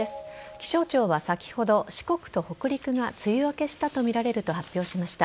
気象庁は先ほど四国と北陸が梅雨明けしたとみられると発表しました。